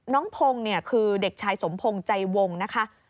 น้องพงศ์เนี่ยคือเด็กชายสมพงศ์ใจวงนะคะ